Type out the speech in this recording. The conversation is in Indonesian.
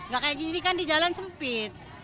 gak kayak gini kan di jalan sempit